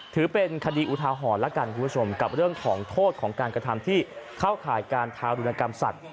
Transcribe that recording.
ถือเป็นคดีอุทาหรณ์แล้วกันคุณผู้ชมกับเรื่องของโทษของการกระทำที่เข้าข่ายการทารุณกรรมสัตว